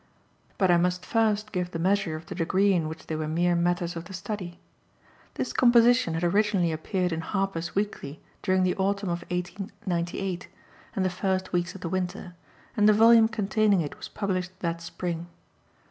But I must first give the measure of the degree in which they were mere matters of the study. This composition had originally appeared in "Harper's Weekly" during the autumn of 1898 and the first weeks of the winter, and the volume containing it was published that spring.